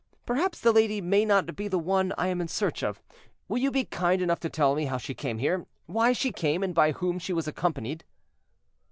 Perhaps the lady may not be the one I am in search of; will you be kind enough to tell me how she came here, why she came, and by whom she was accompanied?"